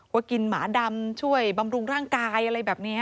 ว่ากินหมาดำช่วยบำรุงร่างกายอะไรแบบนี้